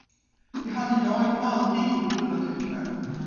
Det hade jag aldrig grunnat ut själv.